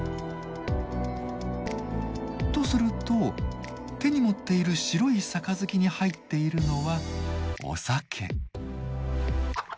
とすると手に持っている白い杯に入っているのはお酒。